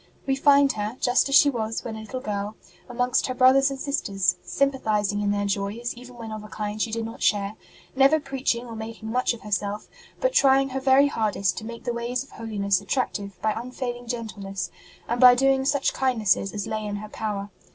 We find her, just as she was when a little girl, amongst her brothers and sisters, sympathizing in their joys even when of a kind she did not share; never preaching or making much of herself, but trying her very hardest to make the ways of holiness attractive by unfailing gentleness, and by doing such kind nesses as lay in her power.